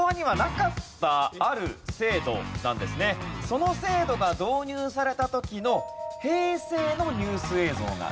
その制度が導入された時の平成のニュース映像が流れます。